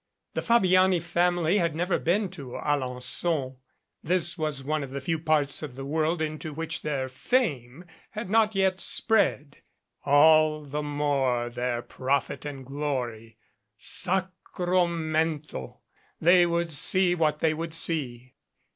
The Fabiani family had never been to Alen9on. This was one of the few parts of the world 142 THE FABIANI FAMILY into which their fame had not yet spread. All the more their profit and glory! Sacro mento! They would see what they would see.